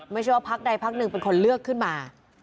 ไม่ใช่ว่าพักใดพักหนึ่งเป็นคนเลือกขึ้นมา